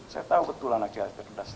saya tahu betul anak saya cerdas